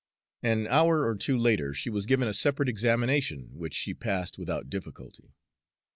An hour or two later she was given a separate examination, which she passed without difficulty.